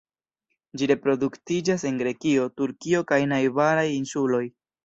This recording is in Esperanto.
Ĝi reproduktiĝas en Grekio, Turkio kaj najbaraj insuloj.